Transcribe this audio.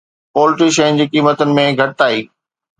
poultry شين جي قيمتن ۾ گهٽتائي